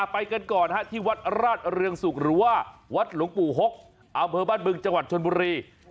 ไปกันก่อนที่วัดราชเรืองศุกร์หรือว่าวัดหลวงปู่หกอำเภอบ้านบึงจังหวัดชนบุรี